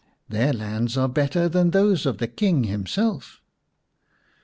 Their lands are better than those of the King himself."